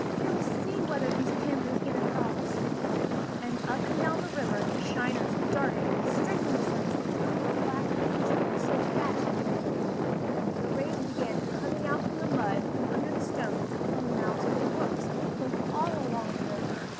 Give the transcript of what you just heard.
We will see whether these panthers get across!" And up and down the river the shiners darted, streaking the surface with tiny black wakes, so fast did they move. The rays began coming out from the mud, from under the stones, from the mouths of the brooks, from all along the river.